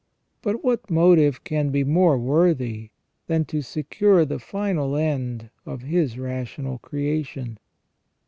But what motive can be more worthy than to secure the final end of His rational creation